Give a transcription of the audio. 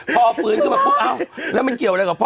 พอฟื้นขึ้นมาปุ๊บเอ้าแล้วมันเกี่ยวอะไรกับพ่อ